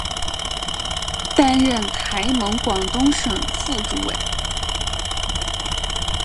担任台盟广东省副主委。